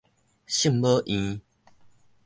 聖母院